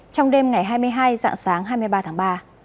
trong đêm ngày hai mươi hai dạng sáng hai mươi ba tháng ba